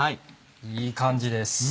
いい感じです。